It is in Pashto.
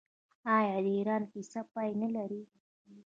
آیا د ایران کیسه پای نلري؟